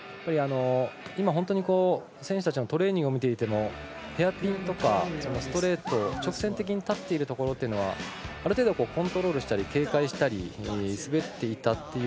今、選手たちのトレーニングを見ていてもヘアピンとかストレート直線的に立っているところというのはある程度、コントロールしたり警戒したり滑っていたり。